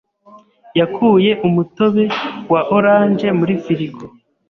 yakuye umutobe wa orange muri firigo.